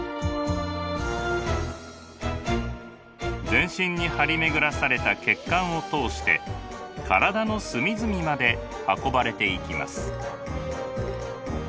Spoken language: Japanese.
全身に張り巡らされた血管を通して体の隅々まで運ばれていきます。